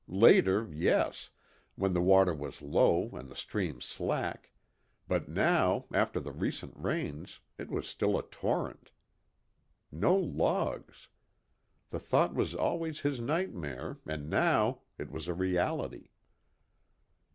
Later, yes, when the water was low and the stream slack, but now, after the recent rains, it was still a torrent. No logs! The thought was always his nightmare, and now it was a reality.